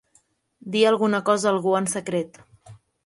Dir alguna cosa a algú en secret.